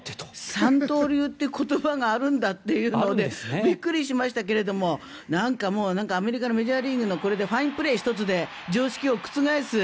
三刀流って言葉があるんだってびっくりしましたけどアメリカのメジャーリーグのこれでファインプレー１つで常識を覆す。